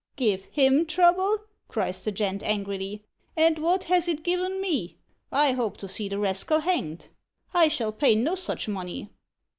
'Give him trouble!' cries the gent angrily 'and what has it given me? I hope to see the rascal hanged! I shall pay no such money.'